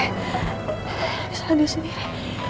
bukan salah dia sendiri